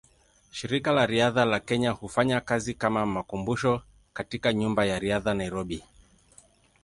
Shirika la Riadha la Kenya hufanya kazi kama makumbusho katika Nyumba ya Riadha, Nairobi.